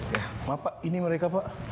ya bapak ini mereka pak